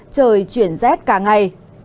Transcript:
trời chuyển rét cả ngày